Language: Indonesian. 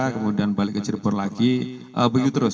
kemudian balik ke cirebon lagi begitu terus